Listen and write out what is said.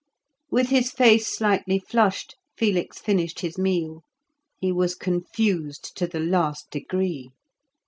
With his face slightly flushed, Felix finished his meal; he was confused to the last degree.